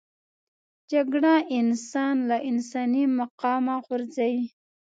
جګړه انسان له انساني مقامه غورځوي